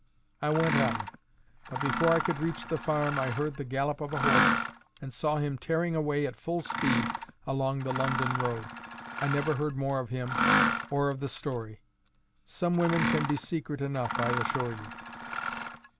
I went on; but before I could reach the farm, I heard the gallop of a horse, and saw him tearing away at full speed along the London road. I never heard more of him, or of the story. Some women can be secret enough, I assure you."